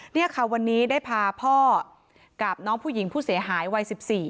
นี่ค่ะวันนี้ได้พาพ่อกับน้องผู้หญิงผู้เสียหายวัย๑๔